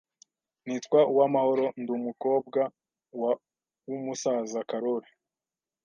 Nitwa Uwamahoro ndumukobwawa wumusaza karori